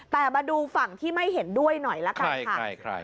แต่มาดูฝั่งที่ไม่เห็นด้วยหน่อยละกันค่ะ